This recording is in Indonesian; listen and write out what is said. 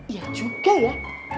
iya juga ya